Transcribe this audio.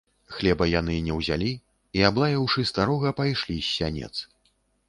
Хлеба яны не ўзялі і, аблаяўшы старога, пайшлі з сянец.